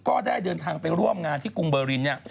ก็ได้เดินทางไปร่วมงานที่กรุงเบอร์รินเนี่ย